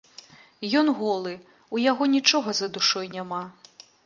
Ён голы, у яго нічога за душой няма.